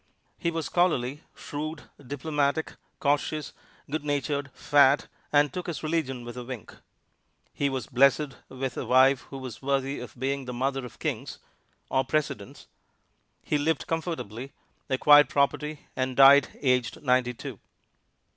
He was scholarly, shrewd, diplomatic, cautious, good natured, fat, and took his religion with a wink. He was blessed with a wife who was worthy of being the mother of kings (or presidents); he lived comfortably, acquired property, and died aged ninety two.